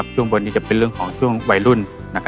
ช่วงบนนี้จะเป็นเรื่องของช่วงวัยรุ่น